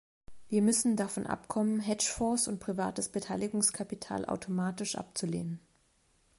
Wir müssen davon abkommen, Hedge-Fonds und privates Beteiligungskapital automatisch abzulehnen.